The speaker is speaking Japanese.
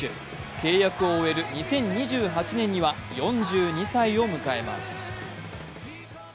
契約を終えるころには４２歳を迎えます。